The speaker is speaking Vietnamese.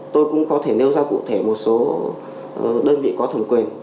tôi cũng có thể nêu ra cụ thể một số đơn vị có thẩm quyền